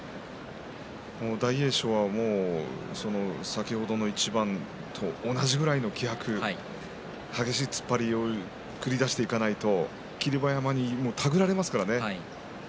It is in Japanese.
大栄翔は先ほどの一番と同じぐらいの気迫激しい突っ張りを繰り出していかないと霧馬山に手繰られますからね。